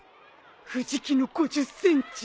藤木の５０ｃｍ。